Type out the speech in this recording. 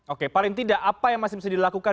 oke paling tidak apa yang masih bisa dilakukan